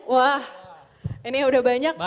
wah ini udah banyak